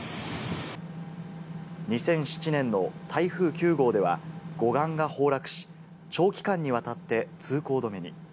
２００７年の台風９号では護岸が崩落し、長期間にわたって通行止めに。